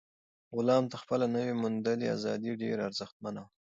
غلام ته خپله نوي موندلې ازادي ډېره ارزښتمنه وه.